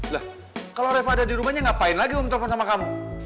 lah kalau reva ada di rumahnya ngapain lagi om telpon sama kamu